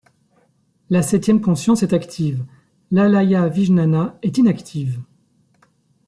La septième conscience est active, l'Ālayavijñāna est inactive.